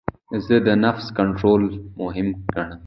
زه د نفس کنټرول مهم ګڼم.